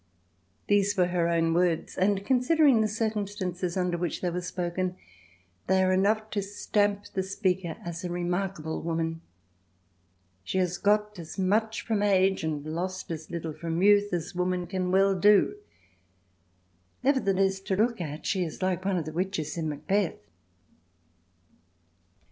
These were her own words and, considering the circumstances under which they were spoken, they are enough to stamp the speaker as a remarkable woman. She has got as much from age and lost as little from youth as woman can well do. Nevertheless, to look at, she is like one of the witches in Macbeth.